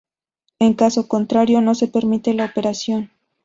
En caso contrario, no se permite la operación.